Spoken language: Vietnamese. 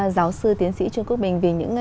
giáo sư tiến sĩ trương quốc bình vì những